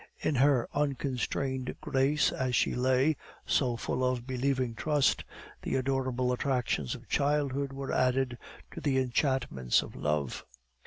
In her unconstrained grace, as she lay, so full of believing trust, the adorable attractions of childhood were added to the enchantments of love.